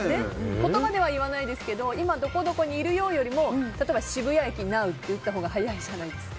言葉では言わないですけど今、どこどこにいるよ！よりも例えば渋谷駅なうって打ったほうが早いじゃないですか。